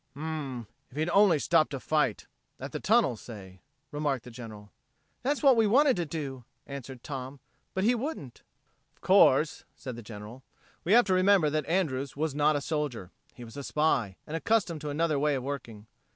"Hm m m, if he'd only stopped to fight at the tunnel, say...." remarked the General. "That's what we wanted to do," answered Tom, "but he wouldn't." "Of course," said the General, "we have to remember that Andrews was not a soldier he was a spy, and accustomed to another way of working.